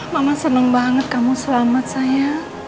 mama seneng banget kamu selamat sayang